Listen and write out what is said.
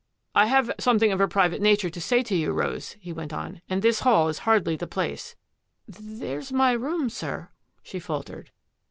" I have something of a private nature to say to you, Rose," he went on, " and this hall is hardly the place —"" There's my room, sir," she faltered.